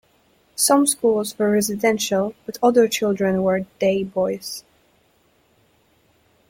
Some schools were residential but other children were 'day-boys'.